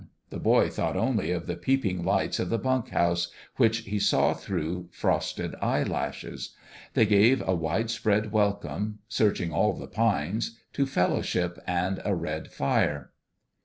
The boy thought only of the peeping lights of the bunk house, which he saw through frosted eye lashes. They gave a wide spread welcome searching all the pines to fellowship and a red fire.